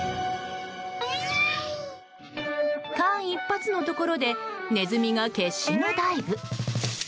間一髪のところでネズミが決死のダイブ！